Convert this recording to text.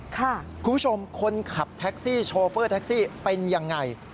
คุณผู้ชมคนขับแท็กซี่โชเฟอร์แท็กซี่เป็นยังไง